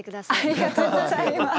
ありがとうございます。